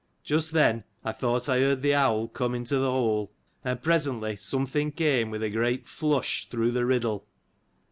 Just then, I thought I heard the owl come into the hole ; and presently something came, with a great flush through the riddle.